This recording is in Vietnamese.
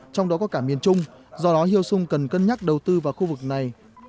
trong đó có cả miền trung do đó hyu sung cần cân nhắc đầu tư vào khu vực này